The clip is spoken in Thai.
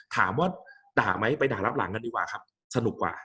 ถามว่าด่าไหมไปด่ารับหลังกันดีกว่าครับสนุกกว่า